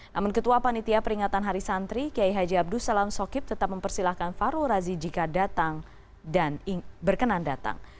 namun ketua panitia peringatan hari santri kiai haji abdus salam sokip tetap mempersilahkan farul razi jika datang dan berkenan datang